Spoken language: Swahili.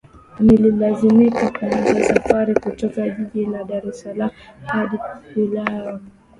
Nililazimika kuanza safari kutoka jijini Dar es Salaam hadi wilayani Rufiji